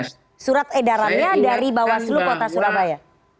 surat edarannya dari bawaslu kota surabaya